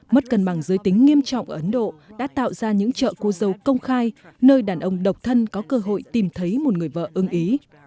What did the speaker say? mất cân bằng giới tính nghiêm trọng ở ấn độ đã tạo ra những trợ cô dâu công khai nơi đàn ông độc thân có cơ hội tìm thấy một người vợ ưng ý